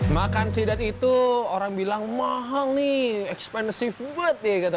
makan sidap itu orang bilang mahal nih expansif banget ya gitu